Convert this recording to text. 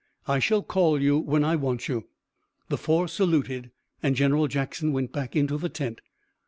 I shall call you when I want you." The four saluted and General Jackson went back into the tent.